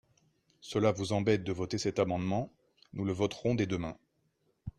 Cela vous embête de voter cet amendement, nous le voterons des deux mains